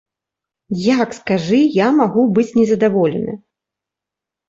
Як, скажы, я магу быць не задаволены?